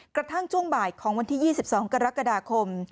ช่วงบ่ายของวันที่๒๒กรกฎาคม